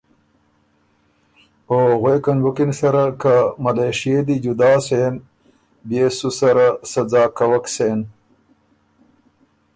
او غوېکن بُکِن سره که ملېشئے دی جدا سېن بيې سُو سره سۀ ځاک کوَک سېن۔